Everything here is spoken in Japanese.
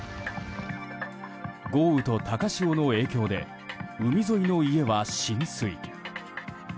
豪雨と高潮の影響で海沿いの家は浸水。